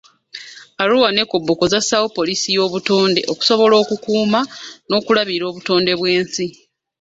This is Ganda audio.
Arua ne Koboko zassaawo poliisi y'obutonde okusobola okukuuma n'okulabirira obutonde bw'ensi.